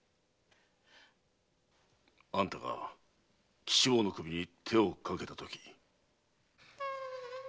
あんたが吉坊の首に手をかけたとき。